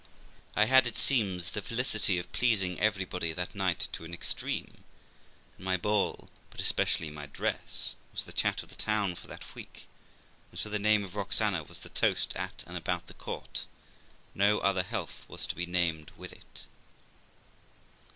I had, it seems, the felicity of pleasing everybody that night to an extreme; and my ball, but especially my dress, was the chat of the town for that week ; and so the name of Roxana was the toast at and about the court; no other health was to be named with it.